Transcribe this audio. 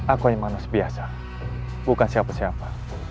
aku yang manus biasa bukan siapa siapa